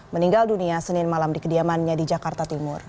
meninggal dunia senin malam di kediamannya di jakarta timur